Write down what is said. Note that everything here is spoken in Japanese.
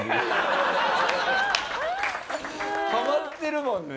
ハマってるもんね。